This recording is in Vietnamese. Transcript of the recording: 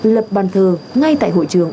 lập bàn thờ ngay tại hội trường